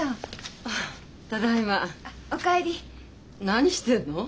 何してるの？